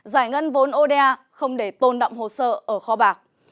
giải ngân vốn oda không để tôn đọng hồ sơ ở kho bạc